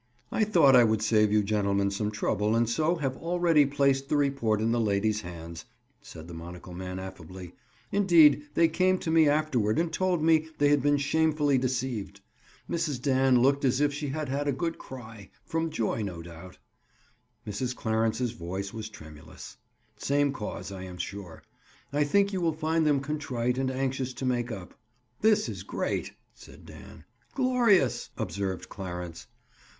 "I thought I would save you gentlemen some trouble and so have already placed the report in the ladies' hands," said the monocle man affably. "Indeed, they came to me afterward and told me they had been shamefully deceived. Mrs. Dan looked as if she had had a good cry—from joy, no doubt. Mrs. Clarence's voice was tremulous. Same cause, I am sure. I think you will find them contrite and anxious to make up." "This is great," said Dan. "Glorious!" observed Clarence.